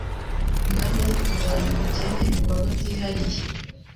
ingamba zo kurwanya ubukene ibikorwa byihariye